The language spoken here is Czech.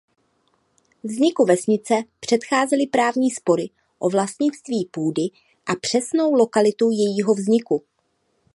Vzniku vesnice předcházely právní spory o vlastnictví půdy a přesnou lokalitu jejího vzniku.